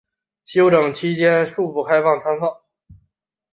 整修期间恕不开放参观